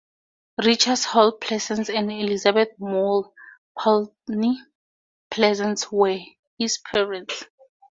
Richard Hall Pleasants and Elizabeth Moale (Poultney) Pleasants were his parents.